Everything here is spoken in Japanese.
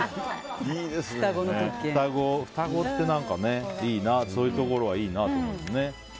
双子ってそういうところはいいなと思いますね。